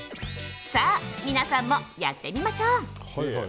さあ、皆さんもやってみましょう。